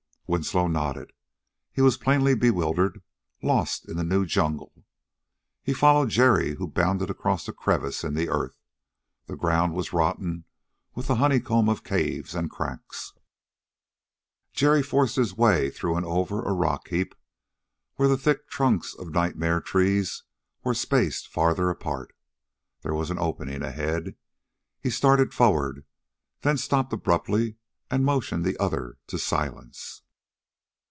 Winslow nodded. He was plainly bewildered, lost in the new jungle. He followed Jerry, who bounded across a crevice in the earth. The ground was rotten with the honeycomb of caves and cracks. Jerry forced his way through and over a rock heap, where the thick trunks of nightmare trees were spaced farther apart. There was an opening ahead; he started forward, then stopped abruptly and motioned the other to silence.